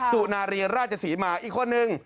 สุนารีราชสีมาอีกข้อนึง